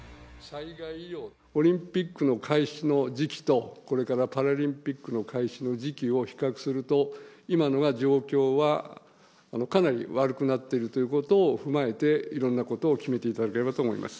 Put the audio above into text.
オリンピックの開始の時期と、これからパラリンピックの開始の時期を比較すると、今の状況はかなり悪くなっているということを踏まえて、いろんなことを決めていただければと思います。